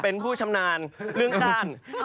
เป็นผู้ชำนาญเรื่องการ